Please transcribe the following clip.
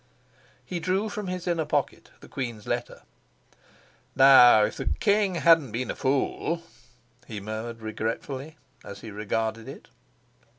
He drew from his inner pocket the queen's letter. "Now if the king hadn't been a fool!" he murmured regretfully, as he regarded it.